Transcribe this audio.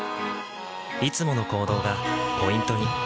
いつもの行動がポイントに。